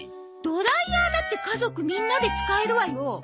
ドライヤーだって家族みんなで使えるわよ。